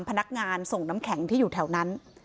พนักงานส่งน้ำแข็งที่อยู่แถวนั้น